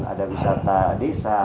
ada wisata desa